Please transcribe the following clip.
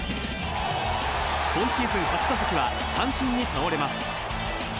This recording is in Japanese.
今シーズン初打席は、三振に倒れます。